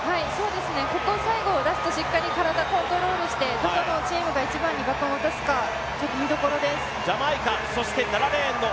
ここ最後、ラストしっかり体をコントロールしてどこのチームが一番にバトンを渡すか見どころです。